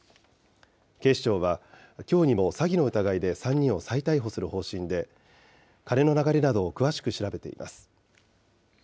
警視庁は、きょうにも詐欺の疑いで３人を再逮捕する方針で、金の流れなどを詳しく調べています。